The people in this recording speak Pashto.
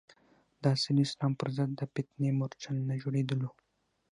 د اصیل اسلام پر ضد د فتنې مورچل نه جوړېدلو.